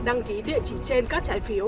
đăng ký địa chỉ trên các trái phiếu